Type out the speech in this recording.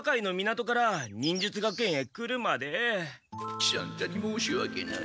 喜三太にもうしわけない。